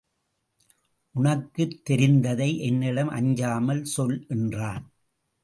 உனக்குத் தெரிந்ததை என்னிடம் அஞ்சாமல் சொல் என்றான்.